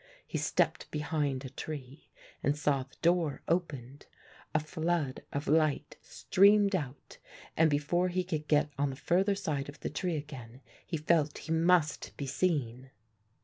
He stepped behind a tree and saw the door opened. A flood of light streamed out and before he could get on the further side of the tree again he felt he must be seen.